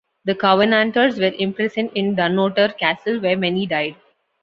The Covenanters were imprisoned in Dunnottar Castle, where many died.